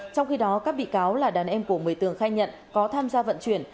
trong khi đó các bị cáo là đàn em của người tường khai nhận có tham gia vận chuyển